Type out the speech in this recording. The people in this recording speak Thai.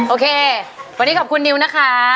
โอเควันนี้ขอบคุณนิวนะคะ